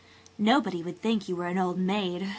"Nobody would think you were an old maid.